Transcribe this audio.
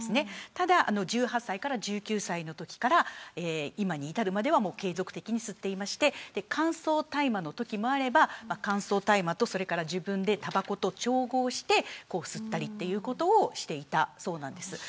ただ１８歳から１９歳のときから今に至るまでは継続的に吸っていて乾燥大麻のときもあれば乾燥大麻と自分でたばこと調合して吸ったりということをしていたそうなんです。